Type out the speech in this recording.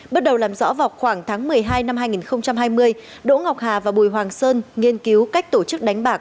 bước đầu làm rõ vào khoảng tháng một mươi hai năm hai nghìn hai mươi đỗ ngọc hà và bùi hoàng sơn nghiên cứu cách tổ chức đánh bạc